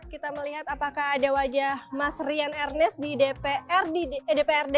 kita melihat apakah ada wajah mas rian ernest di dprd